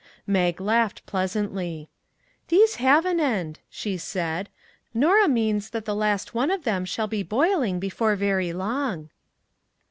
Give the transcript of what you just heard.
Mag laughed pleasantly. " These have an end," she said ;" Norah means that the last one of them shall be boiling before very long."